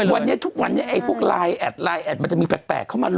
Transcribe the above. วันนี้ทุกวันนี้ไอ้พวกไลน์แอดไลน์แอดมันจะมีแปลกเข้ามาเลย